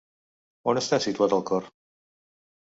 On està situat el cor?